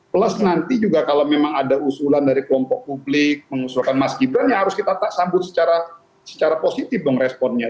plus nanti juga kalau memang ada usulan dari kelompok publik mengusulkan mas gibran ya harus kita sambut secara positif dong responnya